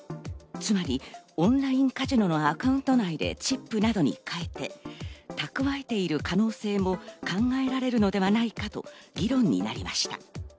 つまりオンラインカジノのアカウント内でチップなどに替えて蓄えている可能性も考えられるのではないかと議論になりました。